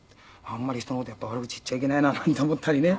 あんまり人の事やっぱり悪口言っちゃいけないななんて思ったりね。